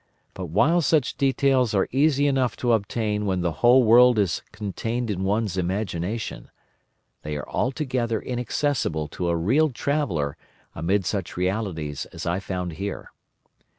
But while such details are easy enough to obtain when the whole world is contained in one's imagination, they are altogether inaccessible to a real traveller amid such realities as I found here.